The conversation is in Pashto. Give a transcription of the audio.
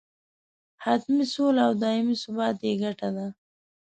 حتمي سوله او دایمي ثبات یې ګټه ده.